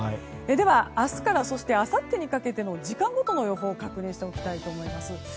では、明日からあさってにかけての時間ごとの予報を確認しておきたいと思います。